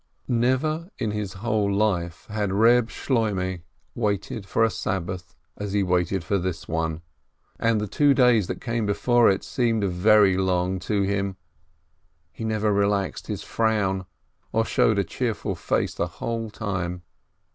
Never in his whole life had Reb Shloimeh waited for a Sabbath as he waited for this one, and the two days that came before it seemed very long to him; he never relaxed his frown, or showed a cheerful face the whole time.